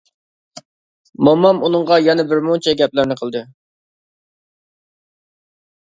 مومام ئۇنىڭغا يەنە بىرمۇنچە گەپلەرنى قىلدى.